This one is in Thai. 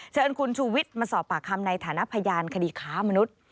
เชิญคุณชูวิทย์มาสอบปากคำในฐานะพยานคดีค้ามนุษย์